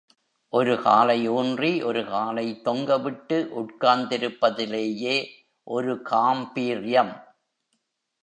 ஒரு காலை ஊன்றி ஒரு காலைத் தொங்க விட்டு உட்கார்ந்திருப்பதிலேயே ஒரு காம்பீர்யம்.